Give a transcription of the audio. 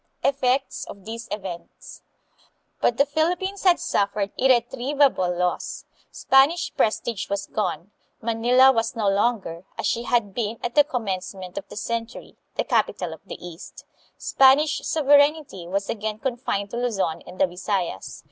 Effects of These Events. But the Philippines had suffered irretrievable loss. Spanish prestige was gone. Manila was no longer, as she had been at the commence ment of the century, the capital of the East. Spanish sovereignty was again confined to Luzon and the Bisayas.